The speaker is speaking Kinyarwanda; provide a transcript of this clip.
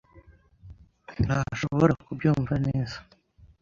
ntashobora kubyumva neza.